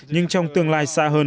nhưng trong tương lai xa hơn